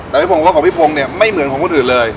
แต่พี่พงรสของพี่พงศ์เนี่ยไม่เหมือนของคนอื่นเลย